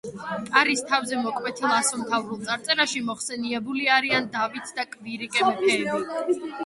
კარის თავზე ამოკვეთილ ასომთავრულ წარწერაში მოხსენიებული არიან დავით და კვირიკე მეფეები.